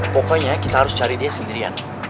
pokoknya kita harus cari dia sendirian